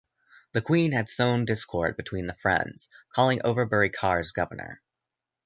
The Queen had sown discord between the friends, calling Overbury Carr's governor.